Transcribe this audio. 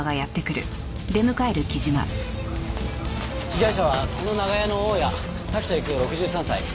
被害者はこの長屋の大家滝田育代６３歳。